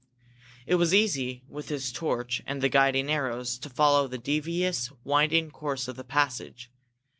It was easy, with his torch and the guiding arrows, to follow the devious, winding course of the passage.